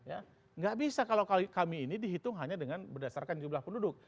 tidak bisa kalau kami ini dihitung hanya dengan berdasarkan jumlah penduduk